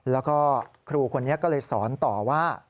แล้วก็ครูคนนี้ก็เลยสอนต่อว่า